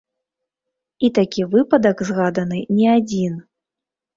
І такі выпадак згаданы не адзін.